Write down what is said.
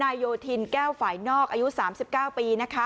นายโยธินแก้วฝ่ายนอกอายุ๓๙ปี